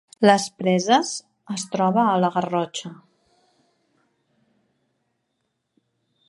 Les Preses es troba a la Garrotxa